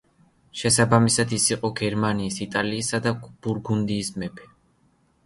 შესაბამისად, ის იყო გერმანიის, იტალიისა და ბურგუნდიის მეფე.